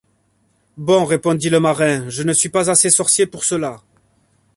Bon ! répondit le marin, je ne suis pas assez sorcier pour cela